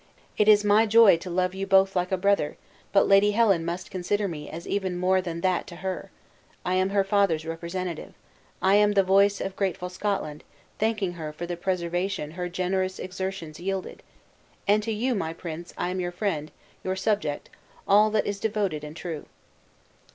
"It is my joy to love you both like a brother, but Lady Helen must consider me as even more than that to her. I am her father's representative, I am the voice of grateful Scotland, thanking her for the preservation her generous exertions yielded! And to you, my prince, I am your friend, your subject all that is devoted and true."